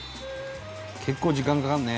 「結構時間かかるね」